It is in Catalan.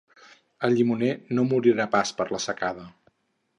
El llimoner no morirà pas per secada.